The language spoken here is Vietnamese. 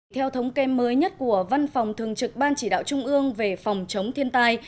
theo thống kê mới nhất của văn phòng thường trực ban chỉ đạo trung ương về phòng chống thiên tai